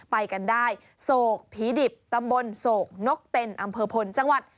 ไปกันได้โศกผีดิบตำบลโศกนกเต็นอำเภอพลจังหวัด